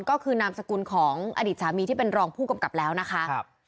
ก็คือนามสกุลของอดีตสามีที่เป็นรองผู้กำกับแล้วนะคะ